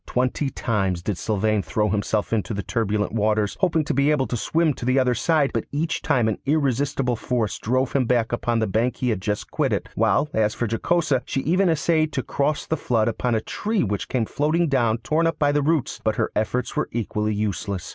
Twenty times did Sylvain throw himself into the turbulent waters, hoping to be able to swim to the other side, but each time an irresistible force drove him back upon the bank he had just quitted, while, as for Jocosa, she even essayed to cross the flood upon a tree which came floating down torn up by the roots, but her efforts were equally useless.